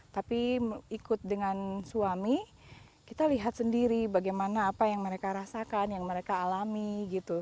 tapi ikut dengan suami kita lihat sendiri bagaimana apa yang mereka rasakan yang mereka alami gitu